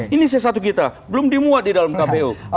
ini c satu kita belum dimuat di dalam kpu